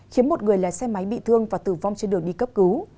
khiến một người lái xe máy bị thương và tử vong trên đường đi cấp cứu